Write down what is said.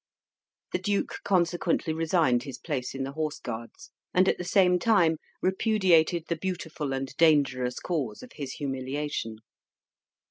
The duke consequently resigned his place in the Horse Guards, and at the same time repudiated the beautiful and dangerous cause of his humiliation.